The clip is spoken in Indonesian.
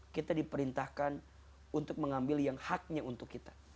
kita diperintahkan untuk mengambil yang haknya untuk kita